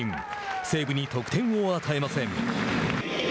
西武に得点を与えません。